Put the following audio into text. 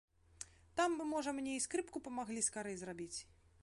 Там бы, можа, мне і скрыпку памаглі скарэй зрабіць.